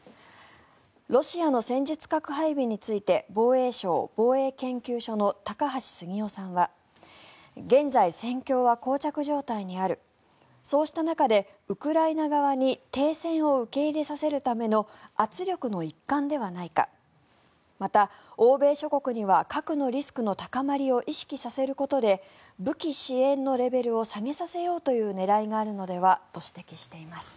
ロシアの戦術核配備について防衛省防衛研究所の高橋杉雄さんは現在、戦況はこう着状態にあるそうした中で、ウクライナ側に停戦を受け入れさせるための圧力の一環ではないかまた、欧米諸国には核のリスクの高まりを意識させることで武器支援のレベルを下げさせようという狙いがあるのではと指摘しています。